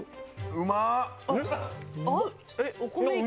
うまっ！